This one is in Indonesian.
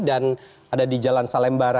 dan ada di jalan salem baraya